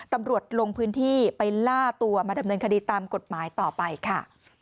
ตำรวจลงพื้นที่ไปล่าตัวมาดำเนินคดีตามกฎหมายต่อไปค่ะ